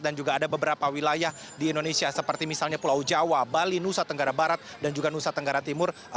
dan juga ada beberapa wilayah di indonesia seperti misalnya pulau jawa bali nusa tenggara barat dan juga nusa tenggara timur